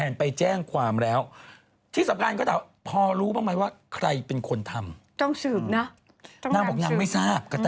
นางไม่ทราบกะแต้บอกกะแต้ไม่ทราบ